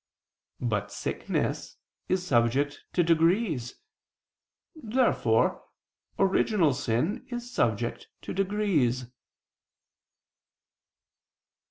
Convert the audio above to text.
But sickness is subject to degrees. Therefore original sin is subject to degrees.